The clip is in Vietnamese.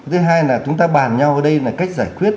thứ hai là chúng ta bàn nhau ở đây là cách giải quyết